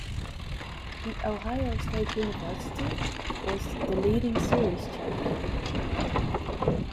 The Ohio State University was the leading series champion.